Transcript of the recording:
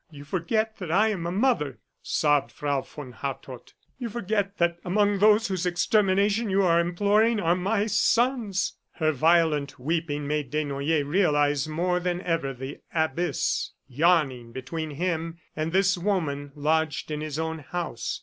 "You forget that I am a mother," sobbed Frau von Hartrott. "You forget that among those whose extermination you are imploring, are my sons." Her violent weeping made Desnoyers realize more than ever the abyss yawning between him and this woman lodged in his own house.